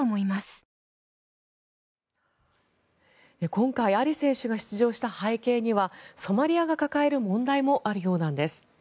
今回、アリ選手が出場した背景にはソマリアが抱える問題もあるようなんです。